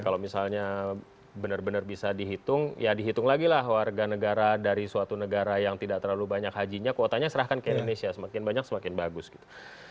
kalau misalnya benar benar bisa dihitung ya dihitung lagi lah warga negara dari suatu negara yang tidak terlalu banyak hajinya kuotanya serahkan ke indonesia semakin banyak semakin bagus gitu